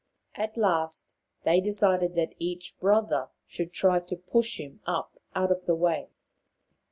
At last they decided that each brother should try to push him up out of the way.